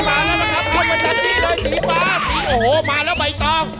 สีฟ้าสีโอ้โหมาแล้วใบตอง